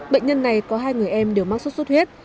bệnh nhân này có hai người em đều mắc suốt suốt huyết